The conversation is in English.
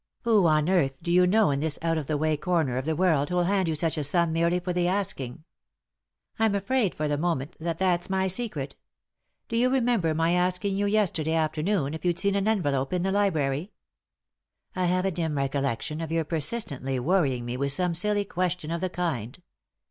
Who on earth do you know in this out of the way corner of the world who'll hand you such a sum merely for the asking?" " I'm afraid, for the moment, that that's my secret Do you remember my asking you yesterday afternoon if you'd seen an envelope in the library ?" "I have a dim recollection of your persistently worrying me with some silly question of the kind."